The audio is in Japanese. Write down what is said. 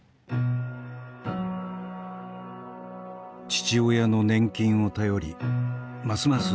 父親の年金を頼りますます